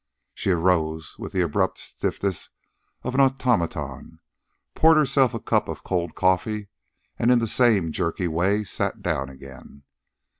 She arose with the abrupt stiffness of an automaton, poured herself a cup of cold coffee, and in the same jerky way sat down again.